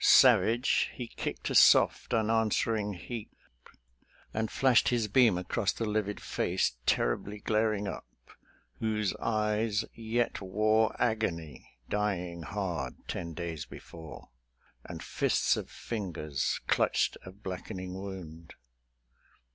Savage, he kicked a soft, unanswering heap, And flashed his beam across the livid face Terribly glaring up, whose eyes yet wore Agony dying hard ten days before; And fists of fingers clutched a blackening wound.